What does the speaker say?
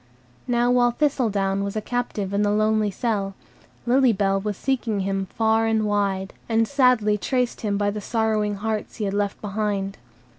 Now while Thistledown was a captive in the lonely cell, Lily Bell was seeking him far and wide, and sadly traced him by the sorrowing hearts he had left behind.